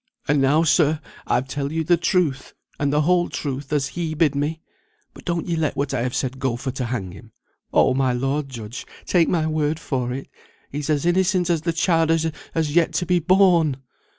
"And now, sir, I've telled you the truth, and the whole truth, as he bid me; but don't ye let what I have said go for to hang him; oh, my lord judge, take my word for it, he's as innocent as the child as has yet to be born.